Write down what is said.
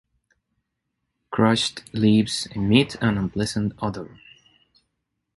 Crushed leaves emit an unpleasant odour.